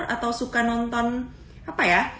atau suka nonton apa ya